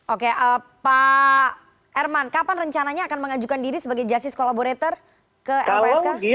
oke pak herman kapan rencananya akan mengajukan diri sebagai justice collaborator ke lpsk